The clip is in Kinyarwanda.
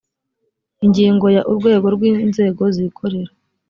ingingo ya urwego rw inzego zikorera